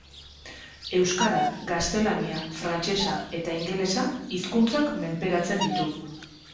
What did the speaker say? Euskara, gaztelania, frantsesa eta ingelesa hizkuntzak menperatzen ditu.